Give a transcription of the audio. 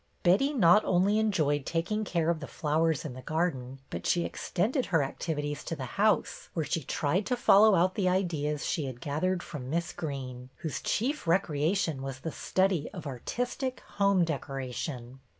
Betty not only enjoyed taking care of the flowers in the garden, but she extended her activities to the house, where she tried to follow out the ideas she had gathered from Miss Greene, whose chief recreation was the study of artistic home decoration.